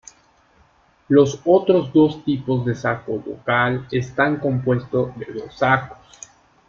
Los otros dos tipos de saco vocal están compuestos de dos sacos.